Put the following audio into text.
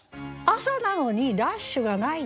朝なのにラッシュがない。